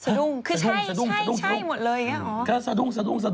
ซดุ้งคือใช่หมดเลยอย่างนี้หรอ